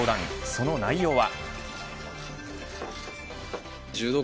その内容は。